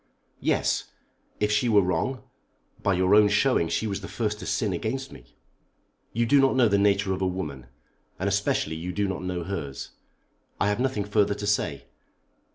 "Yes; if she were wrong. By your own showing she was the first to sin against me." "You do not know the nature of a woman, and especially you do not know hers. I have nothing further to say.